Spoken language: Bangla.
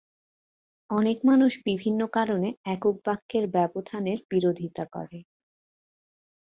অনেক মানুষ বিভিন্ন কারণে একক বাক্যের ব্যবধানের বিরোধিতা করে।